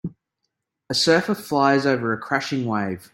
A surfer flies over a crashing wave.